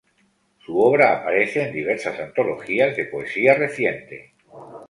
Su obra aparece en diversas antologías de poesía reciente.